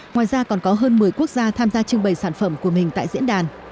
ngoài ra còn có hơn một mươi quốc gia tham gia trưng bày sản phẩm của mình tại diễn đàn